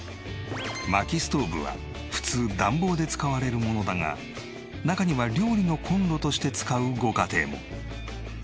薪ストーブは普通暖房で使われるものだが中には料理のコンロとして使うご家庭も。